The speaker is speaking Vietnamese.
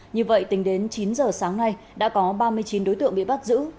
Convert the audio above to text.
như vậy tính đến chín giờ sáng nay đã có ba mươi chín đối tượng bị bắt giữ